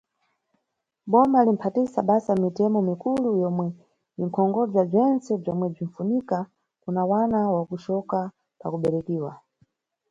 Boma limbaphatisa basa mitemo mikulu yomwe inʼkonkhobza bzentse bzomwe bzinʼfunika kuna mwana wa kucoka pakuberekiwa.